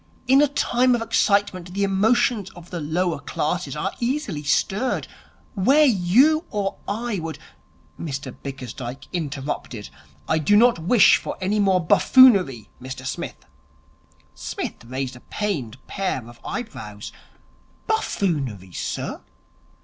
In a time of excitement the emotions of the lower classes are easily stirred. Where you or I would ' Mr Bickersdyke interrupted. 'I do not wish for any more buffoonery, Mr Smith ' Psmith raised a pained pair of eyebrows. 'Buffoonery, sir!'